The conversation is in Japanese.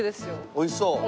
おいしそう！